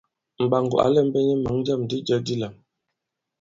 Mɓàŋgò ǎ lɛ̄mbɛ̄ nyɛ̄ mǎn jâm di jɛ̄ dilām.